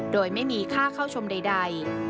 โดยไม่มีค่าเข้าชมใด